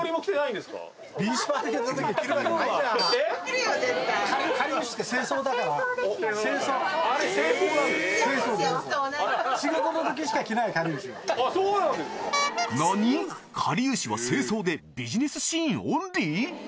かりゆしは正装でビジネスシーンオンリー？